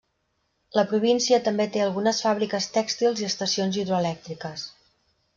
La província també té algunes fàbriques tèxtils i estacions hidroelèctriques.